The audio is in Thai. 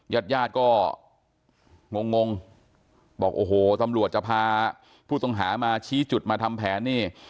ญาติญาติก็งงงบอกโอ้โหตำรวจจะพาผู้ต้องหามาชี้จุดมาทำแผนนี่